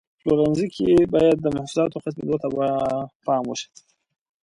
په پلورنځي کې باید د محصولاتو ختمېدو ته پام وشي.